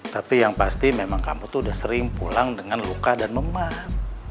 tapi yang pasti memang kamu tuh udah sering pulang dengan luka dan lemah